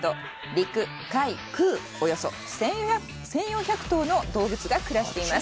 陸海空、およそ１４００頭の動物が暮らしています。